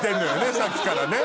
さっきからね